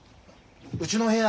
うちの部屋